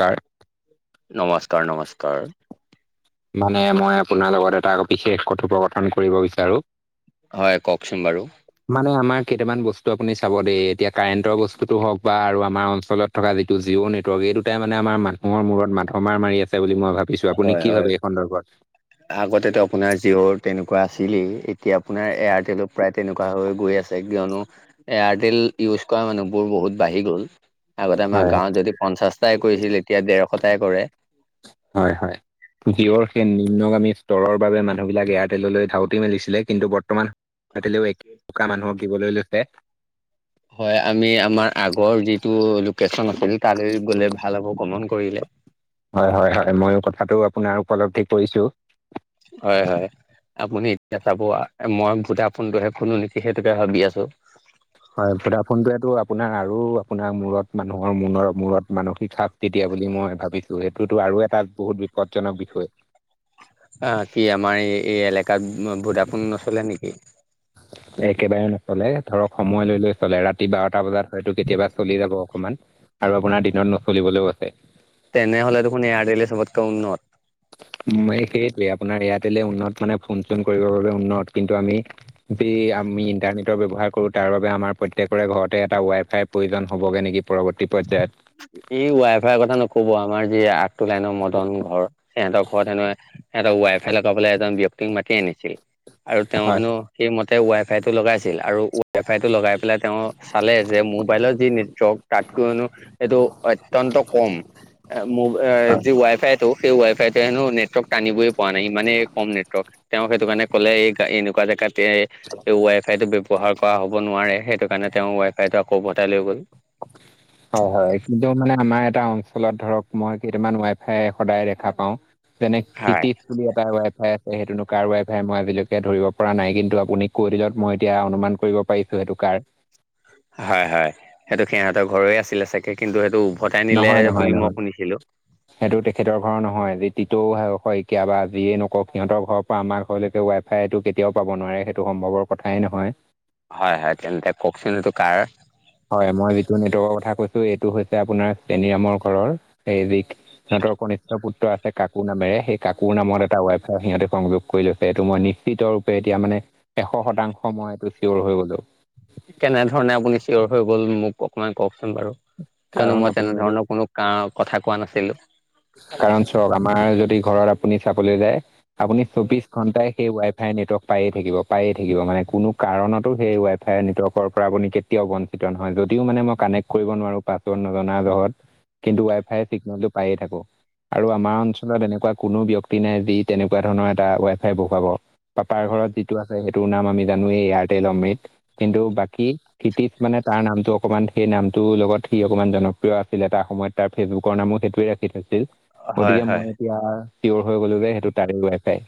কাৰ নমস্কাৰ-নমস্কাৰ মানে মই আপোনাৰ লগত এটা বিশেষ কথোপকথন কৰিব বিচাৰো। হয়, কওকচোন বাৰু মানে আমাৰ কেইটামান বস্তু আপুনি চাব দেই, এতিয়া কাৰেণ্টৰ বস্তুতো হওক বা আৰু আমাৰ অঞ্চলত থকা যিটো জিঅ' নেটৱৰ্ক এই দুয়োটাই মানে আমাৰ মানুহৰ মূৰত মাধ মাৰ মাৰি আছে বুলি মই ভাবিছোঁ। আপুনি হয় কি ভাবে হয়, এই সন্দৰ্ভত আগতেতো আপোনাৰ জিঅৰ তেনেকুৱা আছিলেই, এতিয়া আপোনাৰ এয়াৰটেলো প্ৰায় তেনেকুৱা হৈ গৈ আছে। কিয়নো এয়াৰ টেল ইউজ কৰা মানুহবোৰ বহুত বাঢ়ি গ'ল। আগতে আমাৰ হয় গাঁৱত যদি পঞ্চাশটাই কৰিছিল, এতিয়া ডেৰশটাই কৰে। হয়-হয়, যিয়ৰ সেই নিম্নগামী স্তৰৰ বাবে মানুহ বিলাকে ইয়াত হোটেললৈ ধাউতি মেলিছিলে, কিন্তু বৰ্তমান হোটলেও এসেকা মানুহক দিবলৈ লৈছে। হয়, আমি আমাৰ আগৰ যিটো লোকেশ্যন আছিল তালৈ গ'লে ভাল হ'ব, গ্ৰমন কৰিলে। হয়-হয়-হয়, মইয়ো কথাটো আপোনাৰ উপলদ্বি কৰিছোঁ। হয়-হয়। আপুনি এতিয়া চাব মই মুঠতে ফোনটোহে ফোন, নিকি সেইটোকে ভাবি আছো। হয়, ভোদাফোনটোৱেতো আপোনাৰ আৰু আপোনাৰ মূৰত মানুহৰ মূ মূৰত মানসিক চাপ তেতিয়া বুলি মই ভাবিছোঁ, সেইটোতো আৰু এটা বহুত বিপদজনক বিষয়। আ, কি আমাৰ এ- এ এলেকাত ভোদাফোন নচলে নেকি? একেবাৰে নচলে। ধৰক সময় লৈ-লৈ চলে। ৰাতি বাৰটা বজাত হয়তো কেতিয়াবা চলি যাব অকনমান আৰু আপোনাৰ দিনত নচলিবলেও আছে। তেনেহ'লে দেখোন এয়াৰটেলে চবতকে উন্নত। ম সেইটোৱে আপোনাৰ এয়াৰটেলে উন্নত মানে ফোন-চোন কৰিবৰ বাবে উন্নত। কিন্তু আমি যি আমি ইণ্টাৰনেটৰ ব্যৱহাৰ কৰো, তাৰ বাবে আমাৰ প্ৰত্যেকৰে ঘৰতে এটা ৱাই- ফাই প্ৰয়োজন হ'বগে নেকি, পৰৱৰ্তী পৰ্যায়ত। এই ৱাই-ফাইৰ কথা নক'ব। আমাৰ যি এইটো লাইনৰ মদন ঘৰ সিহঁতৰ ঘৰত সেনো সিহঁতৰ ৱাই-ফাই লগাবলে এজন ব্যক্তি তেওঁক মাতি আনিছিল আৰু তেওঁ হেনো হয় সেই ম তেওঁ ৱাই-ফাই টো লগাইছিল, আৰু ৱাই-ফাই টো লগাই পেলাই তেওঁ চালে যে মোবাইলত যি নেটৱৰ্ক তাত কৈ হেনো এইটো অত্যন্ত কম, মো যি ৱাই-ফাই টো সেই ৱাই-ফাই টোৱে হেনো নেটৱৰ্ক টানিবই পৰা নাই, ইমানে কম নেটৱৰ্ক। তেওঁ সেইটো কাৰণে ক'লে, এই এনেকুৱা জেগাতে তেওঁ ৱাই-ফাই টো ব্যৱহাৰ কৰা হ'ব নোৱাৰে, সেইটো কাৰণে তেওঁ ৱাই-ফাই টো আকৌ উভতাই লৈ গ'ল। অ', হয়। কিন্তু মানে আমাৰ এটা অঞ্চল ফলত ধৰক মই কেইটামান ৱাই ফাই সদায় দেখা পাওঁ, যেনে হয়, কৃতিত এটা ৱাই ফাই আছে সেইটোনো কাৰ ৱাই বুলি এটা ৱাই-ফাই আছে, হেইটোনো কাৰ ৱাই-ফাই মই আজিলৈকে ধৰিব পৰা নাই। কিন্তু আপুনি কৈ দিলত মই এতিয়া অনুমান কৰিব পাৰিছো সেইটো কাৰ। হয়, হয়, সেইটো সিহঁতৰ ঘৰৰে আছিলে চাগে। কিন্তু সেইটো উভতাই নিলে নহয় নহয় বুলি নহয় মই শুনিছিলো। সেইটো তেখেতৰ ঘৰৰ নহয়। যি তিতৌ শইকীয়া বা যিয়ে নওঁকক সিহঁতৰ ঘৰৰ পা আমাৰ ঘৰলৈকে ৱাই ফাই এইটো কেতিয়াও পাব নোৱাৰে, সেইটো সম্ভৱৰ কথাই নহয়। হয়, হয়। তেন্তে কওঁকচোন এইটো কাৰ? হয়, মই যিটো নেটৱৰ্কৰ কথা কৈছো, এইটো হৈছে আপোনাৰ চেনীৰামৰ ঘৰৰ সিহঁতৰ কনিষ্ঠ পুত্ৰ আছে কাকো নামেৰে, সেই কাকোৰ নামত এটা ৱাইফ সিহঁতে সংযোগ কৰি লৈছে, এইটো মই নি শ্চিতৰ ৰূপে এতিয়া মানে এশ শতাংশ মই এইটো চিয়ৰ হৈ গ'লো। কেনে ধৰণে আপুনি চিয়ৰ হৈ গ'ল মোক অকমান কওকচোন বাৰু? কিয়নো কাৰণ মই আপুনি যদি তেনেধৰণৰ কোনো কাৰ কথা কোৱা নাছিলো। কাৰণ চওক, আমাৰ যদি ঘৰত আপুনি চাবলৈ যায়, আপুনি চৌবিশ ঘন্টাই সেই ৱাই ফাই নেটৱৰ্ক পাইয়ে থাকিব, পায়েই থাকিব, মানে কোনো কাৰণতো সেই ৱাই-ফাই নেটৱৰ্কৰ পৰা আপুনি কে- টিৱাও বঞ্চিত নহয়। যদিও মানে মই কানেক্ট কৰিব নোৱাৰো পাছৱৰ্ড নজনা জহত কিন্তু ৱাই-ফাই চিগনেলটো পাইয়ে থাকো। আৰু আমাৰ অঞ্চলত এনেকুৱা কোনো ব্যক্তি নাই, যি তেনেকুৱা ধৰণৰ এটা ৱাই ফাই বহুৱাব। পাপাৰ ঘৰত যিটো আছে সেইটোৰ নাম আমি জানোয়েই এয়াৰটেল অমৃত। কিন্তু বাকী কিতিপ মানে তাৰ নামটো অকমান সেই নামটো লগত সি অকমান জনপ্ৰিয় আছিল এটা সময়ত। তাৰ ফেচবুকৰ নামো সেইটোৱে ৰাখি থৈছে। হয়, গতিকে, হয়। মই এতিয়া চিয়ৰ হৈ গলো যে, সেইটো তাৰে ৱাই-ফাই।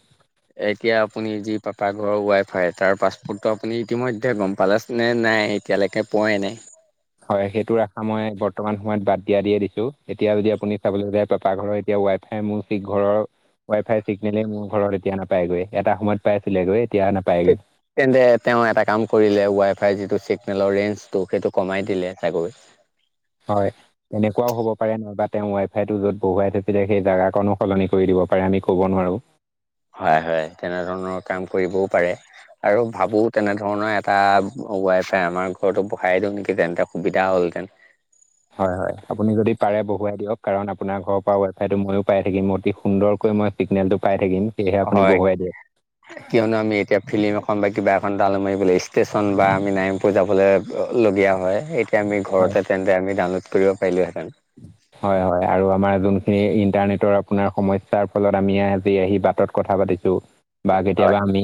এতিয়া আপুনি যি পাপা ঘৰৰ ৱাই-ফাই, তাৰ পাছপোৰ্টটো আপুনি ইতিমধ্যে গ'ম পালে নে নাই? এতিয়ালৈকে পোৱাই নাই? হয়, সেইটোৰ আশা মই বৰ্তমান সময়ত বাদ দিয়া দিয়ে দিছো। এতিয়া যদি আপুনি চাবলৈ যায় পাপা ঘৰৰ এতিয়া ৱাই-ফাই ই সি মোৰ ঘৰৰ ৱাই-ফাই চিগনেলেই মোৰ ঘৰত এতিয়া নাপায়গৈ, এটা সময়ত পাইছিলেগৈ এতিয়া নাপায়গৈ। তেন্তে তেওঁ এটা কাম কৰিলে, ৱাই-ফাইৰ যিটো চিগনেলৰ ৰেঞ্জটো সেইটো কমাই দিলে চাগৈ। হয়। এনেকুৱাও হ'ব পাৰে, নহয়বা তেওঁ ৱাই-ফাইটো য'ত বহুৱাই থৈছিলে সেই জেগাকনো সলনি কৰি দিব পাৰে, আমি ক'ব নোৱাৰোঁ। হয়, হয়। তেনেধৰণৰ কাম কৰিবও পাৰে, আৰু ভাবো তেনেধৰণৰ- এটা ৱাই-ফাই আমাৰ ঘৰতো বহাই দিওঁ নেকি? তেন্তে সুবিধা হ'লহেঁতেন। হয়, হয়। আপুনি যদি পাৰে বহুৱাই দিয়ক। কাৰণ আপোনাৰ ঘৰৰ পৰা ৱাই-ফাইটো মইয়ো পাই থাকিম, অতি সুন্দৰকৈ মই- চিগনেল পাই থাকিম, সেইয়েহে আপুনি হয় বহুৱাই দিয়ক। কিয়নো আমি এতিয়া ফিল্ম এখন বা কিবা এখন ডাউনলোড মাৰিবলৈ ষ্টেশচন বা আমি নাই- কৈ যাবলৈ লগীয়া হয়। এতিয়া আমি হয় ঘৰতে তেন্তে আমি ডাউনলোড কৰিব পাৰিলোহেঁতেন। [unintelligible] হয়, হয়। আৰু আমাৰ যোনখিনি ইণ্টাৰনেটৰ আপোনাৰ সমস্যাৰ ফলত আমি আজি আহি বাটত কথা পাতিছো। বা হয় কেতিয়াবা আমি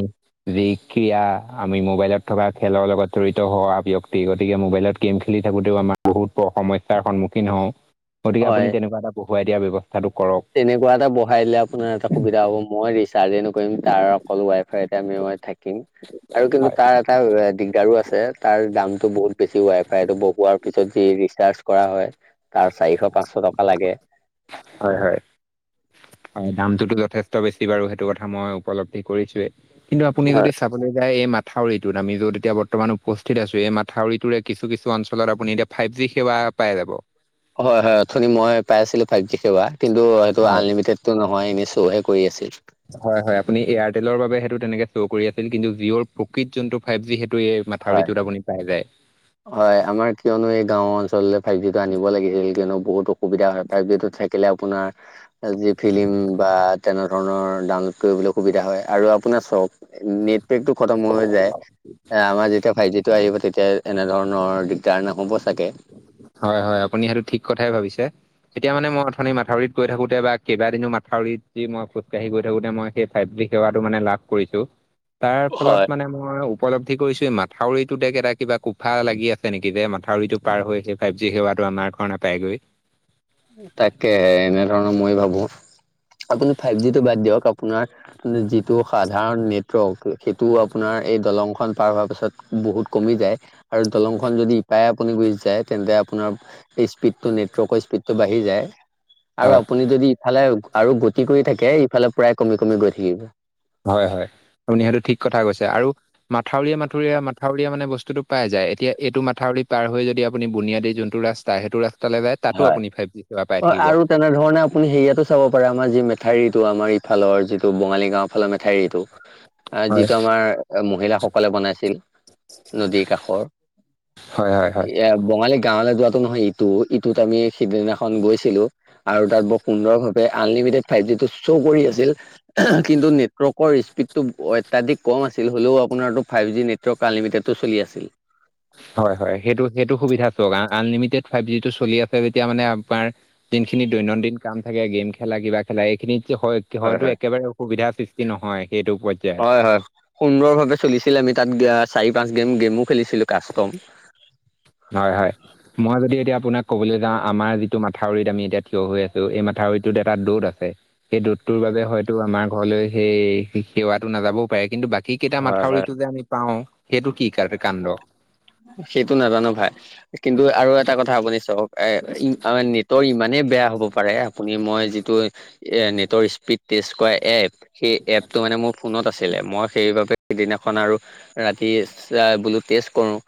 যি ক্ৰীয়া আমি মোবাইলত থকা খেলৰ লগত জড়িত হোৱা ব্যক্তি, গতিকে মোবাইলত গেম খেলি থাকোঁতেও আমাৰ বহুতো সমস্যাৰ সন্মুখীন হওঁ। গতিকে আপুনি হয় তেনেকুৱা এটা বহোৱাই দিয়াৰ ব্যৱস্থাটো কৰক। তেনেকুৱা এটা বঢ়াই দিলে আপোনাৰ এটা সুবিধা হ'ব, মই ৰিচাৰ্জে নকৰিম, তাৰ অকল ৱাইফাই আমি - থাকিম, আৰু কিন্তু হয় তাৰ - তাৰ এ দিগদাৰো আছে, তাৰ দামটো বহুত বেছি, ৱাই ফাইটো বহোৱাৰ পিছত যি ৰিচাৰ্জ কৰা হয়। তাৰ চাৰিশ পাঁচশ টকা লাগে। হয় হয়। হয়, দামটোতো যথেষ্ট বেছি বাৰু, সেইটো কথা মই উপলব্ধি কৰিছোৱে। কিন্তু আপুনি যদি হয় চা বলৈ যায়, এই মাথাউৰিটোত। আমি যত এতিয়া বৰ্তমান উপস্থিত আছো, এই মাথাউৰিটোৰে কিছু কিছু অঞ্চলত আপুনি এতিয়া - ফাইভ জি সেৱা পাই যাব। হয় হয়, অথনি মই পাইছিলো ফাইভ জি সেৱা। কিন্তু অ সেইটো হয় আনলিমিটেডটো নহয় এনেই শ্ব' হে কৰি আছিল। হয় হয়, আপুনি এয়াৰটেলৰ বাবে সেইটো তেনেকে শ্ব' কৰি আছিল কিন্তু জিঅ'ৰ প্ৰকৃত যোনটো ফাইভ জি সেইটো এই - হয় মাথাউৰিটোত আপুনি পাই যায়। হয়', আমাৰ কিয়নো এই গাঁওৰ অঞ্চললে ফাইভ জি টো আনিব লাগে হেৰি কিয়নো বহুত অসুবিধা হয়, ফাইভ জি টো থাক কিলে আপোনাৰ - ফাইভ জি ফিল্ম বা তেনে ধৰণৰ ডাউনলোড কৰিবলে সুবিধা হয় আৰু আপোনাৰ চ নেট পেক টো খতম হৈ হৈ যায়, আমাৰ যেতিয়া ফাইভ জি টো আহিব তেতিয়া - তেনেধৰণৰ দিগদাৰ নহ'ব চাগে! হয় হয়, আপুনি সেইটো ঠিক কথাই ভাবিছে। তেতিয়া মানে মই অথনি মাথাউৰিত গৈ থাকোতে বা কেইবাদিনো মাউৰিত যি মই খোজকাঢ়ি গৈ থাকোতে মই সেই - ফাইভ জি সেৱাটো মানে লাভ কৰিছোঁ। তাৰফলত হয় মানে মই উপলব্ধি কৰিছোঁ এই মাথাউৰিটোতে কেইটা কিবা কোফা লাগি আছে নেকি যে মা থাউৰিটো পাৰ হৈ সেই ফাইভ জি সেৱাটো আমাৰ ঘৰ নাপাইগৈ। তাকে এনে ধৰণৰ মই ভাবোঁ। আপুনি ফাইভ জিটো বাদ দিয়ক, আপ পোনাৰ যিটো সাধাৰণ নেটৱৰ্ক সেইটো আপোনাৰ এই দলংখন পাৰ হোৱাৰ পাছত - বহুত কমি যায়, আৰু দলং খন যদি - প্ৰায় আপুনি গুচি যায় তেন্তে আপোনাৰ স্পীডটো নেটৱৰ্কৰ স্পীডটো বাঢ়ি যায়। হয় আৰু আপুনি যদি ইফালে আৰু গতি কৰি থাকে ইফালে প্ৰায় কমি কমি গৈ থাকিব। হয় হয়, আপুনি সেইটো ঠিক কথা কৈছে। আৰু মাথাউৰিয়ে মাথুউৰিয়ে মা থাউৰিয়ে মানে বস্তুটো পাই যায়। এতিয়া এইটো মাথাউৰি পাৰ হৈ যদি আপুনি বুনিয়াদী যোনটো ৰাস্তা সেইটো ৰাস্তালে যায় - হয়', অ আৰু - তেনেধৰণে আপুনি হেৰি ইয়াতো চাব পাৰে আমাৰ যি মেথাউৰিটো আমাৰ ইফালৰ যিটো বঙালী গাঁওৰ ফালৰ মেথাউৰিটো - এহ হয় যিটো আমাৰ মহিলাসকলে বনাইছিল, নদীৰ কাষৰ - হয় হয় হয় এইয়া বঙালী গাঁৱলে যোৱা টো নহয় ইটো, ইটোত আমি সিদিনাখন গৈছিলোঁ আৰু তাত বৰ সুন্দৰভাৱে আনলিমিটেড - ফাইভ জি টো শ্ব' কৰি আছিল, কিন্তু নেট ৱৰ্কৰ স্পীডটো অত্যাধিক কম আছিল হ'লেও আপোনাৰতো ফাইভ জি নেটৱৰ্ক আনলিমিটেডটো চলি আছিল। হয় হয়, সেইটো সেইটো সুবিধা চওক আনলিমিটেড ফাইভ জিটো চলি আছে যেতিয়া মানে আপোনাৰ - যিনখিনি দৈনন্দিন কাম থাকে গেম খেলা কিবা খেলা এইখিনিত যে হয় - হয়তো একেবাৰে অসুবিধাৰ সৃষ্টি নহয় সেইটো পই হয় হয়, সুন্দৰভাৱে চলিছিলে আমি তাত অ', চাৰি পাঁচ গেম গেমো খেলিছিলোঁ কাষ্টম। হয় হয়। মই যদি এতিয়া আপোনাক ক'বলে যাওঁ আমাৰ যিটো মাথাউৰিত আমি এতিয়া থিয় হৈ আছোঁ এই মাথাউৰিটোত এটা দূত আছে। এই দূতটোৰ বাবে হয়তো আমাৰ ঘৰলৈ সেই সেৱাটো নাযাবও পাৰে, কিন্তু বা সেই কেইটা হয় হয় মাথাউৰিটো যে আমি পাওঁ সেইটো কি কাৰ কাণ্ড', সেইটো নাজানোঁ ভাই', কিন্তু আৰু এটা কথা আপুনি চাওঁক এ', ই', অ', নেটৱৰ্ক ইমানেই বেয়া হ'ব পাৰে', আপুনি মই যিটো এ নেটৰ স্পীড টেষ্ট কৰা এপ সেই এপটো মানে মোৰ ফোনত আছিলে মই সেইবাবে', সিদিনাখন আৰু ৰাতি [unintelligible] বুলি টেষ্ট কৰোঁ',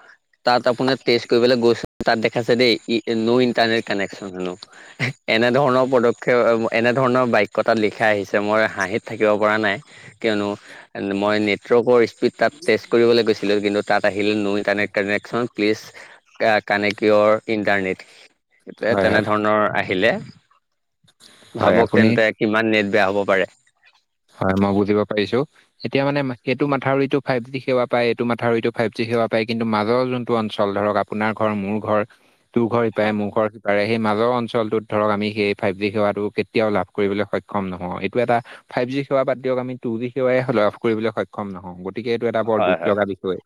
তাত আপোনাৰ টেষ্ট কৰিবলৈ গৈছোঁ, তাত দেখাইছে দেই ই', নো ইণ্টাৰনেট কানেকচন ললোঁ হিঃ এনেধৰণৰ পদক্ষেপ অ ম', এনেধৰণৰ বাক্য তাত লিখা আহিছে মই হাঁহিত থাকিব পৰা নাই। কিয়নো মই নেটৱৰ্কৰ স্পীড তাত টেষ্ট কৰিবলৈ গৈছিলোঁ কিন্তু তাত', আহিল নো connect connection please connect your internet', সেইটোৱে হয় হয় তেনেধৰণৰ আহিলে হয় ভাৱক আপুনি তেন্তে কিমান নেট বেয়া হ'ব পাৰে। হয়, মই বুজিব পাৰিছোঁ। এতিয়া মানে এইটো মাথাউৰিতটো ফাইভ জি সেৱা পায় এইটো মাথাউৰিতটো ফাইভ জি সেৱা পায় কিন্তু মাজৰ যোনটো অঞ্চল, ধৰক আপ', আপোনাৰ ঘৰ, মোৰ ঘৰ, তোৰ ঘৰ ইপাৰে মোৰ ঘৰ সিপ', তাৰে সেই মাজৰ অঞ্চলটোত ধৰক আমি সেই ফাইভ জি সেৱাটো কেতিয়াও লাভ কৰিবলৈ সক্ষম নহওঁ এইটো এটা ফাইভ জি সেৱা বাদ দিয়ক আমি টু জি সেৱাই লাভ কৰিবলৈ সক্ষম নহওঁ গতিকে এইটো এটা বৰ হয় দুখ হয়। লগা বিষয়।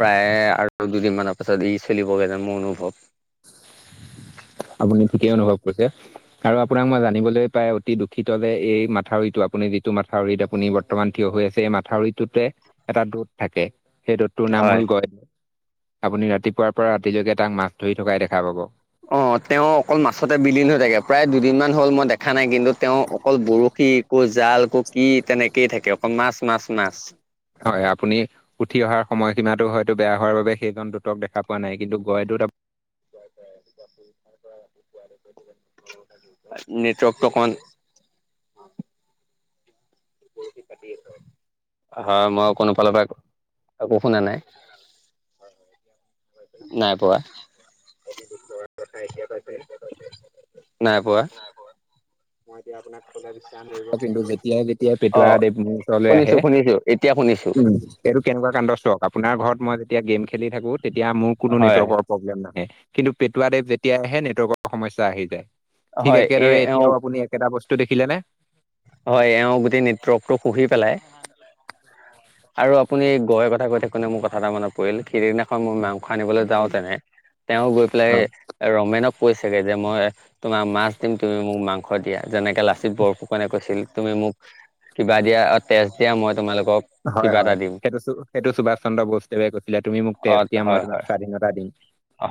প্ৰায় আৰু দুদিন তিনিমানৰ পাছত ই চলিবগৈ যে মোৰ অনুভৱ। আপুনি ঠিকেই অনুভৱ কৰিছে। আৰু আপোনাক মই জানিবলৈ পাই অতি দুখিত যে এই মাথাউৰিটো আপুনি যিটো মাথাউৰিত আপুনি বৰ্তমান থিয় হৈ আছে এই মাথাউৰিটোতে এটা দ'ত থাকে, সেই দত তোৰ নাম হয়। হল গয়দৱ, আপুনি ৰাতিপুৱাৰ পৰা ৰাতিলৈকে তাক মাছ ধৰি থকাই দেখা পাব। অ', তেওঁ অকল মাছতে বিলীন হৈ থাকে প্ৰায় দুদিনমান হল মই দেখা নাই কিন্তু তেওঁ অকল বৰশী ক জাল ক কি তেনেকেই থাকে অকল মাছ মাছ মাছ। হয় আপুনি উঠি অহাৰ সময়সীমা হয়তো বেয়া হোৱাৰ বাবে সেইকণ দুটক দেখা পোৱা নাই কিন্তু গয় দুত নেটৱৰ্কটো অকণমান হয় মই কোনোফালৰ পৰা একো শুনা নাই। নাই পোৱা। নাই পোৱা। আপুনি কিন্তু যেতিয়াই যেতিয়াই পেটুৱা অ', দেৱ মোৰ ওচৰলৈ আহে শুনিছোঁ, শুনিছোঁ, এতিয়া শুনিছোঁ। উম, এইটো কেনেকুৱা কান্দ চোৱক, আপোনাৰ ঘৰত মই যেতিয়া গেম খেলি থাকোঁ তেতিয়া মোৰ কোনো হয় নেটৱৰ্কৰ প্ৰব্লেম নাহে কিন্তু পেটুৱাদেৱ যেতিয়া আহে নেটৱৰ্কৰ সমস্যা আহি যায়। ঠিক হয় এ একেদৰে এওঁ এতিয়াও আপুনি একেটা বস্তু দেখিলে নে? হয় এওঁ গোটেই নেটৱৰ্কটো খুহি পেলাই। আৰু আপুনি গৈ [unintelligible] মোৰ কথা এটা মানত পৰিল সেইদিনা মই মাংস আনিবলৈ যাওঁ তেনে, তেওঁ গৈ পেলাই হয় ৰমেনক কৈছেগে যে মই তোমাক মাছ দিম তুমি মোক মাং স দিয়া যেনেকে লাচিত বৰফুকনে কৈছিল তুমি মোক কিবা দিয়া অ' তেজ দিয়া মই তোমালোকক হয় কিবা এটা হয় দিম সেইটো সু সেইটো সুভাষ চন্দ্ৰ বসুদেৱে কৈছিলে তুমি মোক অ তেজ দিয়া মই হয় হয় তোমাক স্বাধীনতা দিম।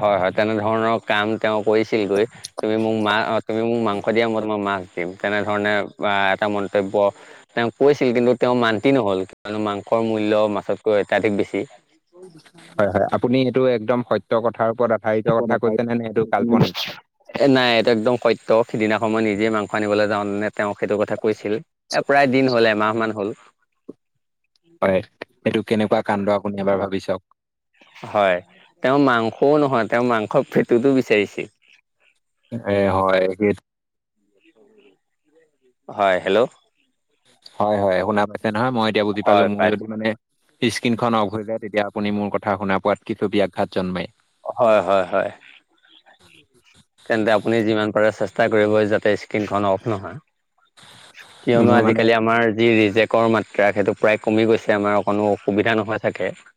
হয় হয় তেনেধৰণৰ কাম তেওঁ কৰিছিলগৈ, তুমি মোক মা অ', তুমি মোক মাং স দিয়া মই তোমাক মাছ দিম তেনেধৰণে বা এটা মন্তব্য তেওঁ কৈছিল কিন্তু তেওঁ মান্তি নহ'ল। কিয়নো মাংসৰ মূল্য মাছতকৈ অত্যাধিক বেছি। হয় হয় আপুনি এইটো একদম সত্য কথাৰ ওপৰত আধাৰিত কথা কৈছে নে নে এইটো কাল্পনিক। এ নাই এইটো একদম সত্য সিদিনাখন মই নিজে মাংস আনিবলৈ যাওঁ তেনে তেওঁ সেইটো কথা কৈছিল, এ প্ৰায় দিন হ'ল এমাহ মান হ'ল। হয় এইটো কেনেকুৱা কাণ্ড আপুনি এবাৰ ভাবি চাওঁক। হয় তেওঁ মাংসও নহয় তেওঁ মাংস পেটোতো বিচাৰিছিল। এ হয় সেইট হয় হেল্ল'! হয় হয় শুনা পাইছে নহয় মই এতিয়া বুজি পালো। হয় মোৰ পাইছো যদি মানে স্ক্ৰীণখন অফ হৈ যায় তেতিয়া আপুনি মোৰ কথা শুনা পোৱাত কিছু ব্যাঘাত জন্মে। হয় হয় হয়, তেন্তে আপুনি যিমান পাৰে চেষ্ট ষ্টা কৰিব যাতে স্ক্ৰীনখন অফ নহয়। কিয়নো মোৰ মানে আজিকালি আমাৰ যি ৰিজেক্ট কৰ মাত্ৰা সেইটো প্ৰায় কমি গৈছে, আমাৰ অকণো অসুবিধা নহয় [unintelligible]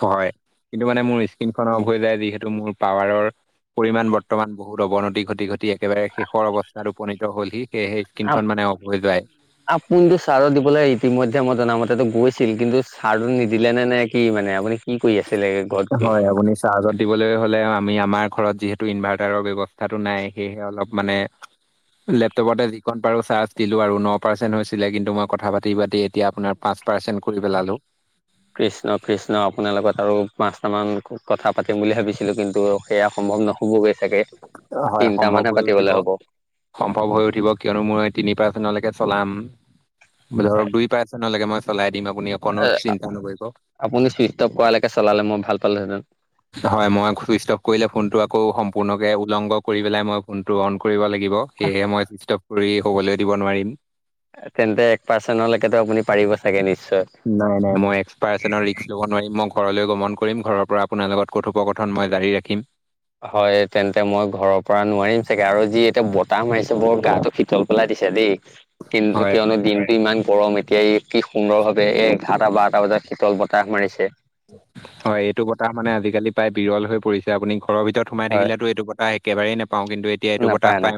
হয় কিন্তু মানে মোৰ স্কিনখন অফ হৈ যায়। যিহেতু মোৰ পাৱাৰৰ পৰিমাণ বৰ্তমান বহুত অৱনতি ঘটি-ঘটি একেবাৰে শেষৰ অৱস্থাতো উপনীত হ'লহি সেয়েহে স্কিনখন মানে অ'ফ হৈ যায়। আপুনিতো চাৰ্জত দিবলৈ ইতিমধ্যে মই জনামতেটো গৈছিল, কিন্তু [unintelligible] নিদিলে নে নাই। কি মানে আপুনি কি কৰি আছিলেগে? হয় আপুনি চাৰ্জত দিবলে হ'লে আমি আমাৰ ঘৰত যিহেতু ইনভাৰ্টাৰৰ ব্যৱস্থাটো নাই। সেয়েহে অলপ মানে লেপটপটে দি খন পাৰো চাৰ্জ দিলো আৰু ন পাৰ্চেন্ট হৈছিলে কিন্তু মই কথা পাতি-পাতি এতিয়া আপোনাৰ পাঁচ পাৰ্চেন্ট কৰি পেলালো। কৃষ্ণ কৃষ্ণ! আপোনাৰ লগত আৰু পাঁচটা মান কথা পাতিম বুলি ভাবিছিলো। কিন্তু সেয়া সম্ভৱ নহবগৈ চাগে, হয় তিনটা সম্ভৱ মানহে হৈ উঠিব পাতিবলে হ'ব। সম্ভৱ হৈ উঠিব কিয়নো মই তিনি পাৰ্ছেন্তলৈকে চলাম। ধৰক দুই পাৰছেনলকে মই চলাই দিম আপুনি অকনো চিন্তা নকৰিব। আপুনি চুইচ টপ কৰালৈকে চলালে মই ভাল পালোঁ হেঁতেন। হয় মই চুইচট অফ কৰিলে ফোনটো আকৌ সম্পূৰ্ণকে উলংঘ কৰি পেলাই মই ফোনটো অন কৰিব লাগি গিব, সেয়েহে মই চুইচট অফ কৰি হ'বলৈ দিব নোৱাৰিম। তেন্তে এক পাৰ্চেনটলৈকেতো আপুনি পাৰিবই চাগে নিশ্চয়। নাই নাই মই এক্সপাৰ্চনৰ ৰিক্ক ল'ব নোৱাৰিম মই ঘৰলৈ গমন কৰিম, ঘৰৰ পৰা আপোনাৰ লগত কথোপকথন মই জাৰি ৰাখিম। হয় তেন্তে মই ঘৰৰ পৰা নোৱাৰিম চাগে আৰু যি এতিয়া বতাহ মাৰিছে বৰ গাটো তল পেলাই দিছে দেই! কিন্তু হয় কিয়নো দিনটো ইমান গৰম এতিয়া কি সুন্দৰভাৱে এ এঘাৰটা-বাৰটা বজাত শীতল বতা তাহ মাৰিছে। হয় এইটো বতাহ মানে আজিকালি প্ৰায় বিৰল হৈ পৰিছে, আপুনি ঘৰৰ ভিতৰত সোমাই নাপায় থাকিলেতো এইটো বতাহ একেবাৰেই নাপাও, কিন্তু এতিয়া এইটো বতাহ পাই নাপায়